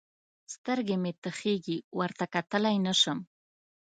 سترګې مې تخېږي؛ ورته کتلای نه سم.